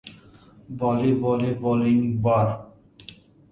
Boli boli boling bor